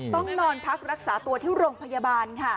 ต้องนอนพักรักษาตัวที่โรงพยาบาลค่ะ